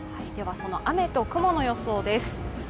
その雨と雲の予想です。